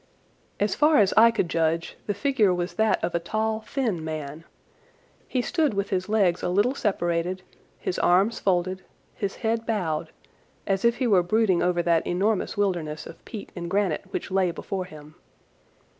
As far as I could judge, the figure was that of a tall, thin man. He stood with his legs a little separated, his arms folded, his head bowed, as if he were brooding over that enormous wilderness of peat and granite which lay before him.